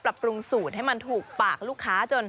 ปรุงสูตรให้มันถูกปากลูกค้าจน